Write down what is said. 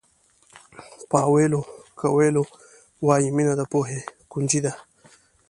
پاویلو کویلو وایي مینه د پوهې کونجۍ ده.